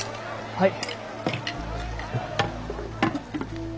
はい。